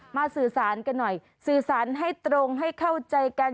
สื่อสารกันหน่อยสื่อสารให้ตรงให้เข้าใจกัน